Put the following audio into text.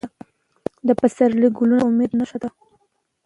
د پسرلي ګلونه د امید نښه ده.